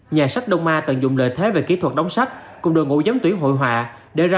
nhà sách đông ma tận dụng lợi thế về kỹ thuật đóng sách cùng đội ngũ giám tuyển hội họa để ra